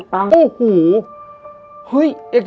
ถูกต้อง